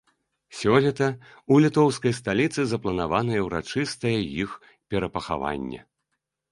Сёлета ў літоўскай сталіцы запланаванае ўрачыстае іх перапахаванне.